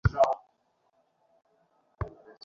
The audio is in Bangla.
পিবি, তোমাকে ছোটো হতে হবে।